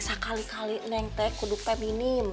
sekali kali neng aku sudah feminim